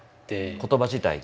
言葉自体が？